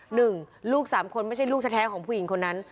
ลูกสามคนไม่ใช่ลูกแท้ของผู้หญิงคนนั้น